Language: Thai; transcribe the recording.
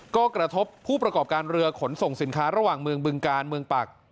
ก็กระทบผู้ประกอบการเรือขนส่งสินค้าระหว่างเมืองบึงการเมืองปัก